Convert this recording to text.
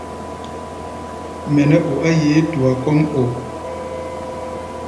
Mɛ nɛ́ o á yeé tua kɔ́ʼm o?